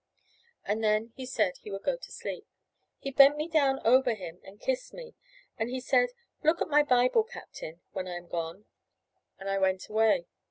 And then he said he would go to sleep. He bent me down over him and kissed me; and he said, "Look in my Bible, Captain, when I am gone." And I went away.